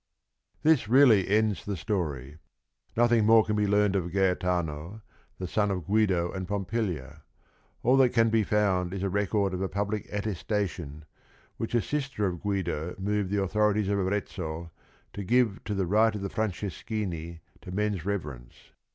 This really ends the story. Nothing more can be learned of Gaetano, the son of Guido and Pompilia. All that can be found is a record of a public attestation, which a sister of Guido moved the authorities of Arezzo to give to the right of the Franceschini to men's reverence.